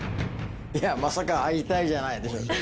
いやまさか「あいたい」じゃないでしょ？